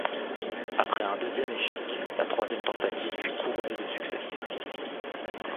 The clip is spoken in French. Après un deuxième échec, la troisième tentative fut couronnée de succès.